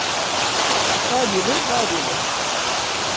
Kar yılı var yılı.